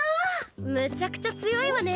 むちゃくちゃ強いわね